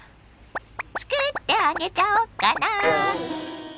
つくってあげちゃおっかな。